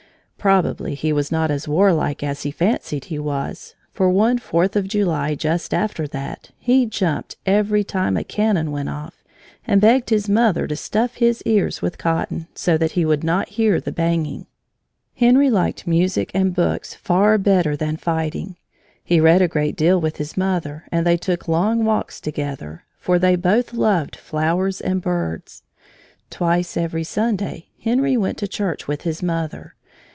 Probably he was not as warlike as he fancied he was, for one Fourth of July just after that, he jumped every time a cannon went off and begged his mother to stuff his ears with cotton, so that he would not hear the banging. Henry liked music and books far better than fighting. He read a great deal with his mother, and they took long walks together, for they both loved flowers and birds. Twice every Sunday Henry went to church with his mother.